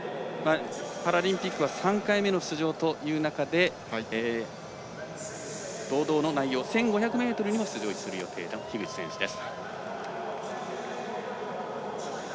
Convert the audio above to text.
パラリンピックは３回目の出場という中で堂々の内容１５００ｍにも出場する予定の樋口選手です。